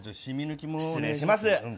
失礼します。